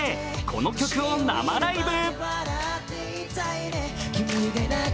この曲を生ライブ。